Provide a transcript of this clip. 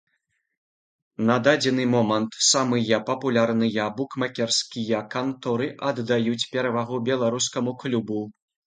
На дадзены момант самыя папулярныя букмекерскія канторы аддаюць перавагу беларускаму клубу.